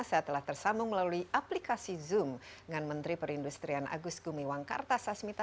saya telah tersambung melalui aplikasi zoom dengan menteri perindustrian agus gumiwang kartasasmita